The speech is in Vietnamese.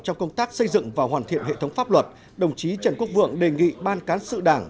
trong công tác xây dựng và hoàn thiện hệ thống pháp luật đồng chí trần quốc vượng đề nghị ban cán sự đảng